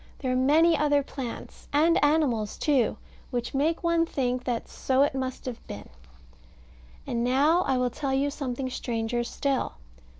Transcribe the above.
There are many other plants, and animals too, which make one think that so it must have been. And now I will tell you something stranger still.